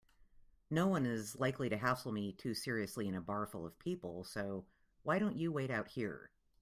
Noone is likely to hassle me too seriously in a bar full of people, so why don't you wait out here?